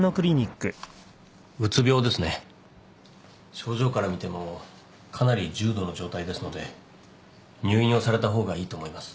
症状から見てもかなり重度の状態ですので入院をされた方がいいと思います。